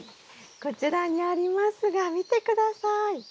こちらにありますが見て下さい。